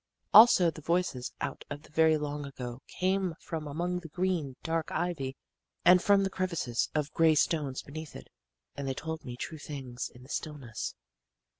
Also the voices out of the very long ago came from among the green, dark ivy, and from the crevices of gray stones beneath it, and they told me true things in the stillness.